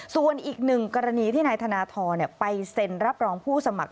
ส่วนอีกหนึ่งกรณีที่นายธนทรไปเซ็นรับรองผู้สมัคร